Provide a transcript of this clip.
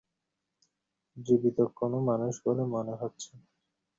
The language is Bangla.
জীবিত কোনো মানুষ বলে মনে হচ্ছে না।